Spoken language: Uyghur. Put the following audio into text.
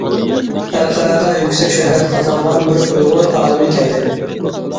خەلقئارادا يۈكسەك شۆھرەت قازانغان بىر ئۇيغۇر ئالىمى كەلدى!